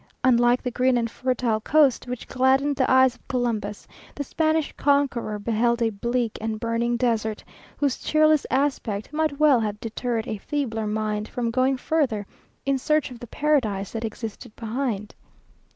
Unlike the green and fertile coast which gladdened the eyes of Columbus, the Spanish conqueror beheld a bleak and burning desert, whose cheerless aspect might well have deterred a feebler mind from going further in search of the paradise that existed behind.